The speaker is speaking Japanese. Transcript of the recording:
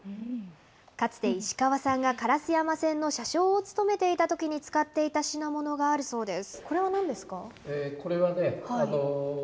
かつて石川さんが烏山線の車掌を務めていたときに使っていた品物があるそうです。